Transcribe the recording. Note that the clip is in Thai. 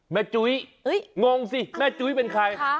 จุ้ยงงสิแม่จุ้ยเป็นใคร